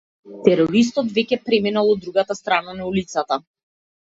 Терористот веќе преминал од другата страна на улицата.